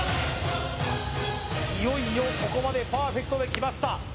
いよいよここまでパーフェクトできました